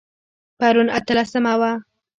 پرون اتلسمه وه